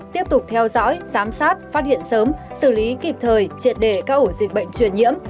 tiếp tục theo dõi giám sát phát hiện sớm xử lý kịp thời triệt để các ổ dịch bệnh truyền nhiễm